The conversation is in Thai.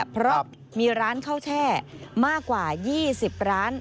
เพราะมีร้านข้าวแช่มากกว่า๒๐ร้าน